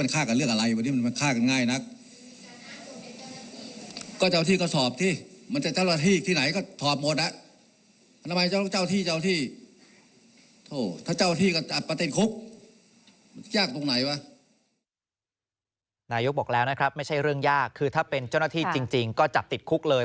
คือถ้าเป็นเจ้าหน้าที่จริงก็จับติดคุกเลย